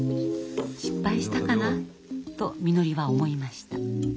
失敗したかなとみのりは思いました。